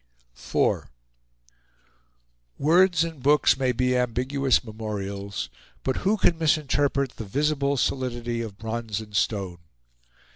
IV Words and books may be ambiguous memorials; but who can misinterpret the visible solidity of bronze and stone?